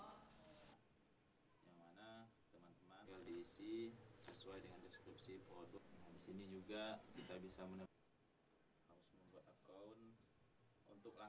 dan di sini juga kita bisa menemukan